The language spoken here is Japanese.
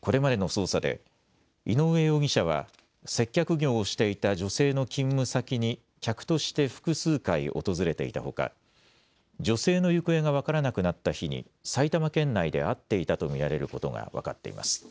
これまでの捜査で井上容疑者は接客業をしていた女性の勤務先に客として複数回、訪れていたほか、女性の行方が分からなくなった日に埼玉県内で会っていたと見られることが分かっています。